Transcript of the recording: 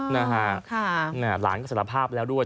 นะฮะหลานก็สารภาพแล้วด้วย